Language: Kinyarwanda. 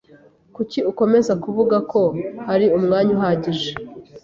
Kuki ukomeza kuvuga ko hari umwanya uhagije?